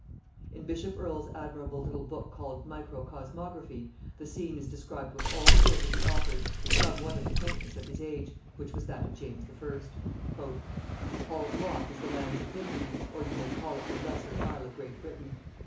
In bishop Earl's admirable little book called Micro cosmography the scene is described with all the wit of the author and somewhat of the quaintness of his age, which was that of James I. "Paul's walk is the land's epitome, or you may call it the lesser isle of Great Britain.